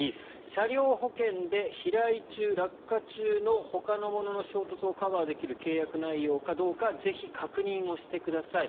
車両保険で飛来中、落下中のほかのものの衝突をカバーできる契約内容かどうかぜひ、確認をしてください。